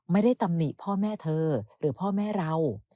ตำหนิพ่อแม่เธอหรือพ่อแม่เรา